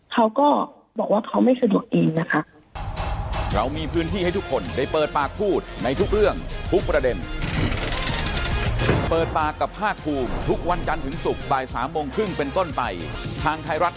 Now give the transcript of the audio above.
เขาก็บอกว่าเขาไม่สะดวกเองนะคะ